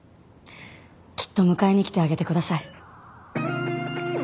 きっと迎えに来てあげてください。